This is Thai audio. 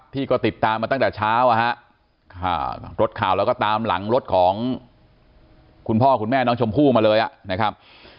ที่ก็ติดตามมาตั้งแต่เช้ารถข่าวแล้วก็ตามหลังรถของคุณพ่อคุณแม่น้องชมพู่มาเลยนะครับ